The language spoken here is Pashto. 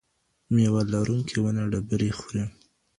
ميوه لرونکې ونه ډبرې خوري.